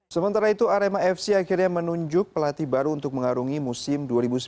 sementara itu arema fc akhirnya menunjuk pelatih baru untuk mengarungi musim dua ribu sembilan belas